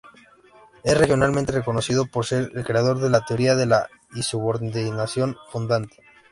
Es regionalmente reconocido por ser el creador de la teoría de la insubordinación fundante.